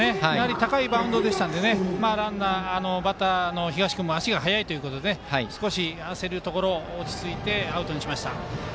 高いバウンドでしたのでバッターの東君も足が速いということで少し焦るところを落ち着いてアウトにしました。